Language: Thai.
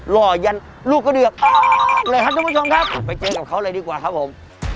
ลอยันลูกกระเดือกเลยครับทุกผู้ชมครับไปเจอกับเขาเลยดีกว่าครับผม